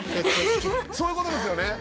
そういうことですよね。